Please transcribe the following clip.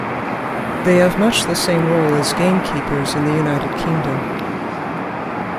They have much the same role as gamekeepers in the United Kingdom.